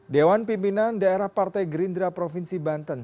dewan pimpinan daerah partai gerindra provinsi banten